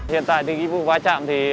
hiện tại vì vụ va chạm thì